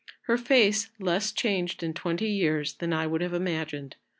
Her face less changed in twenty years than I would have imagined.